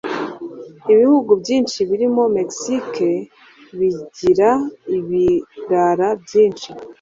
Ibihugu byinshi birimo mexike bigira ibirara byinshi